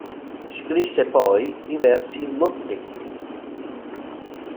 Scrisse poi diversi mottetti.